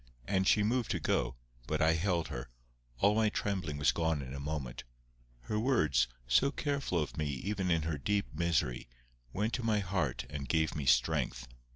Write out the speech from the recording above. And she moved to go, but I held her. All my trembling was gone in a moment. Her words, so careful of me even in her deep misery, went to my heart and gave me strength.